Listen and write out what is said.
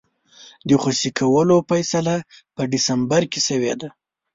د خوشي کولو فیصله په ډسمبر کې شوې وه.